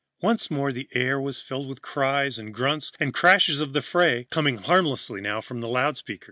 Once more the air was filled with the cries and grunts and crashes of the fray, coming harmlessly now from the loudspeaker.